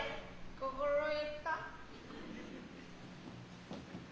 心得た。